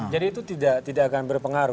jadi itu tidak akan berpengaruh